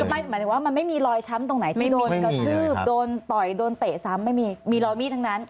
หมายถึงว่ามันไม่มีรอยช้ำตรงไหนที่โดนกระทืบโดนต่อยโดนเตะซ้ำไม่มีมีรอยมีดทั้งนั้น